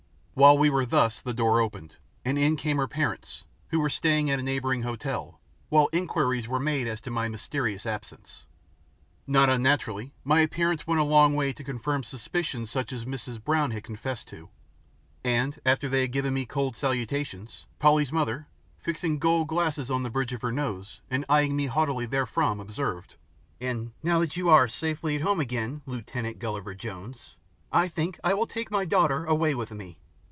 While we were thus the door opened, and in came her parents who were staying at a neighbouring hotel while inquiries were made as to my mysterious absence. Not unnaturally my appearance went a long way to confirm suspicions such as Mrs. Brown had confessed to, and, after they had given me cold salutations, Polly's mother, fixing gold glasses on the bridge of her nose and eyeing me haughtily therefrom, observed, "And now that you ARE safely at home again, Lieutenant Gulliver Jones, I think I will take my daughter away with me.